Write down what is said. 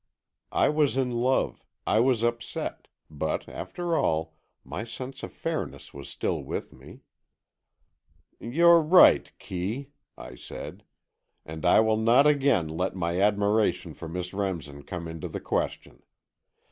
I was in love, I was upset, but after all, my sense of fairness was still with me. "You're right, Kee," I said. "And I will not again let my admiration for Miss Remsen come into the question.